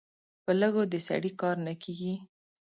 په لږو د سړي کار نه کېږي.